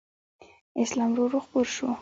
اسلام ورو ورو خپور شو